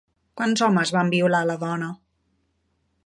Quants homes van violar a la dona?